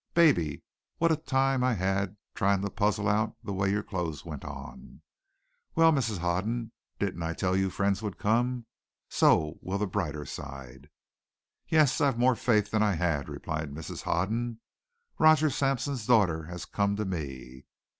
Baby, what a time I had trying to puzzle out the way your clothes went on! Well, Mrs. Hoden, didn't I tell you friends would come? So will the brighter side." "Yes; I've more faith than I had," replied Mrs. Hoden. "Roger Sampson's daughter has come to me.